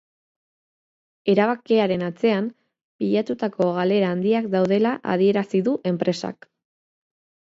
Erabakiaren atzean pilatutako galera handiak daudela adierazi du enpresak.